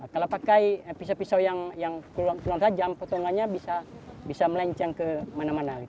kalau pakai pisau pisau yang keluhan tajam potongannya bisa melenceng ke mana mana